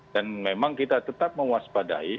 dan memang kita tetap mewaspadai